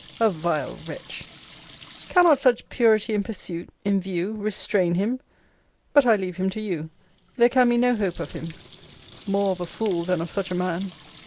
A vile wretch! Cannot such purity in pursuit, in view, restrain him? but I leave him to you! There can be no hope of him. More of a fool, than of such a man.